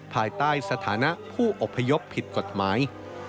ภายใต้สถานะผู้อบพยพผิดกฎหมาย